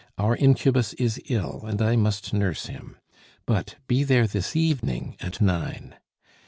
Our incubus is ill, and I must nurse him; but be there this evening at nine.